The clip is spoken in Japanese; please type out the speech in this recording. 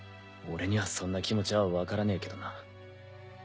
俺にはそんな気持ちはわからねえけどな。